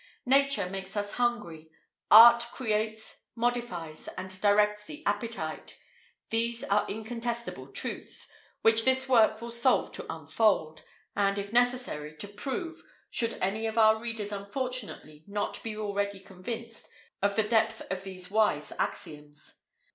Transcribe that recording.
Nature makes us hungry; art creates, modifies, and directs the appetite these are incontestable truths, which this work will serve to unfold, and, if necessary, to prove, should any of our readers unfortunately not be already convinced of the depth of these wise axioms.